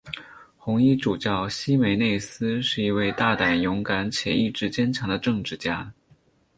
红衣主教希梅内斯是一位大胆勇敢且意志坚强的政治家。